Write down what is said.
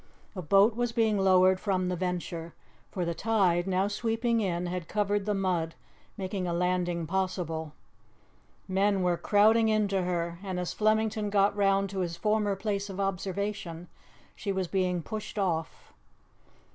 A boat was being lowered from the Venture, for the tide, now sweeping in, had covered the mud, making a landing possible. Men were crowding into her, and as Flemington got round to his former place of observation she was being pushed off.